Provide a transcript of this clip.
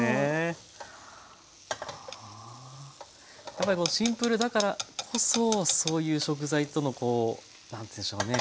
やっぱりシンプルだからこそそういう食材とのこう何ていうんでしょうね